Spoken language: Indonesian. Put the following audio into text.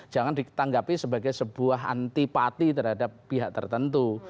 jangan ditanggapi sebagai sebuah antipati terhadap pihak tertentu